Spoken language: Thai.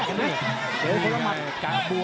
กาบวกที่ไรกว่าดี